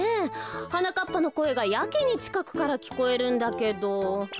はなかっぱのこえがやけにちかくからきこえるんだけど。